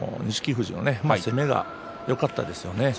富士の攻めがよかったですよね。